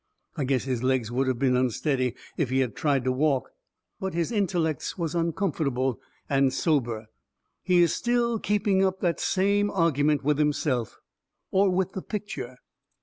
I guess his legs would of been unsteady if he had of tried to walk, but his intellects was uncomfortable and sober. He is still keeping up that same old argument with himself, or with the picture.